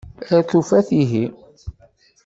Ar tufat ihi.